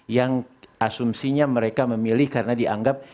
yang asumsinya mereka memilih karena dianggap